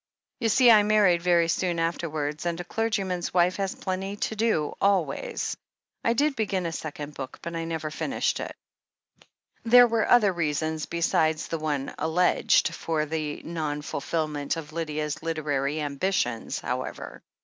You see, I married very soon afterwards, and a clergyman's wife has plenty to do always. I did begin a second book, but I never finished it." 334 THE HEEL OF ACHILLES There were other reasons, besides the one alleged, for the non fulfilment of Lydia's literary ambitions, however.